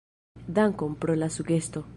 Dankon pro la sugesto.